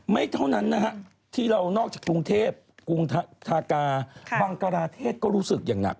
ไม่เท่านั้นนะฮะที่เรานอกจากกรุงเทพกรุงทากาบังกราเทศก็รู้สึกอย่างหนัก